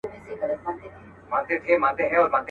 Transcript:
په تش دیدن به یې زړه ولي ښه کومه.